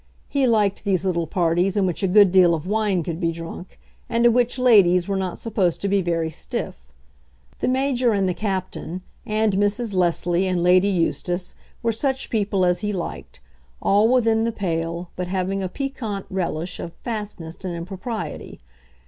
He liked these little parties, in which a good deal of wine could be drunk, and at which ladies were not supposed to be very stiff. The Major and the Captain, and Mrs. Leslie and Lady Eustace, were such people as he liked, all within the pale, but having a piquant relish of fastness and impropriety.